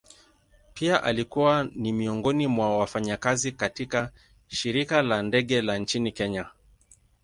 Pia alikuwa ni miongoni mwa wafanyakazi katika shirika la ndege la nchini kenya.